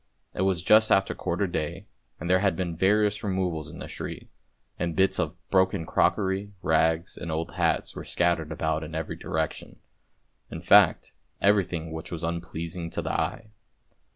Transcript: It was just after quarter day, and there had been various removals in the street, and bits of broken crockery, rags, and old hats were scattered about in every direction, in fact everything which was unpleasing to the eye.